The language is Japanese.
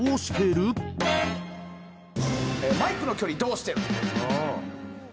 マイクの距離どうしてる？